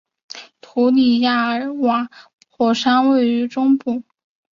图里亚尔瓦火山位于中部。